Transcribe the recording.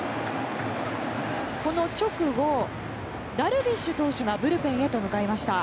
この直後、ダルビッシュ投手がブルペンへ向かいました。